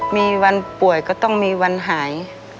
มีวันป่วยก็ต้องมีวันหาย